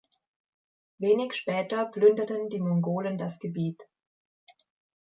Wenig später plünderten die Mongolen das Gebiet.